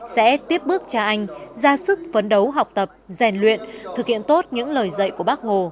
sẽ tiếp bước cha anh ra sức phấn đấu học tập rèn luyện thực hiện tốt những lời dạy của bác hồ